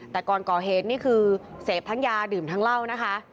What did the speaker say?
แต่ก่อนก่อเหตุนี่คือเสพทั้งยาดื่มทั้งเหล้านะคะ